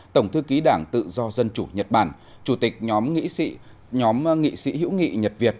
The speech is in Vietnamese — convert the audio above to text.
tổng thư ký đảng tự do dân chủ nhật bản chủ tịch nhóm nghị sĩ hữu nghị nhật việt